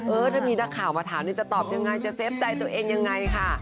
เออถ้ามีนักข่าวมาถามจะตอบยังไงจะเฟฟใจตัวเองยังไงค่ะ